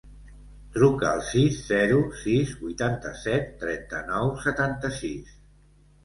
Truca al sis, zero, sis, vuitanta-set, trenta-nou, setanta-sis.